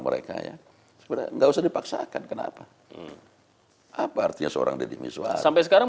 mereka ya sebenarnya enggak usah dipaksakan kenapa apa artinya seorang deddy miswar sampai sekarang